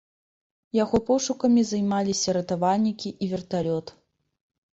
Яго пошукамі займаліся ратавальнікі і верталёт.